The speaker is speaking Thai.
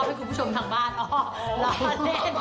อยากมาเล่น